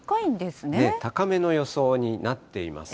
高めの予想になっています。